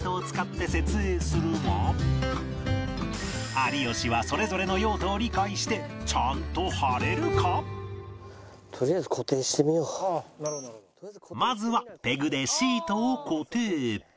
有吉はそれぞれの用途を理解してまずはペグでシートを固定